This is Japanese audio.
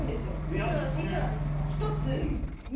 １つ。